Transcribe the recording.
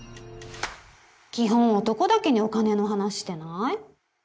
基本男だけにお金の話してない？